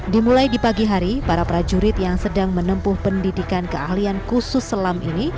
dimulai di pagi hari para prajurit yang sedang menempuh pendidikan keahlian khusus selam ini